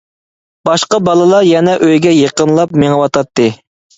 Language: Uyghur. باشقا بالىلار يەنە ئۆيگە يېقىنلاپ مېڭىۋاتاتتى.